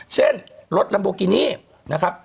เช่นรถลัมโบกินี่นะครับ